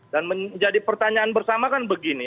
dan menjadi pertanyaan bersama kan begini